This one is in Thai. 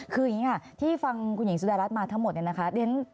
คืออย่างนี้ค่ะที่ฟังคุณหญิงสุดารัฐมาทั้งหมดเนี่ยนะคะ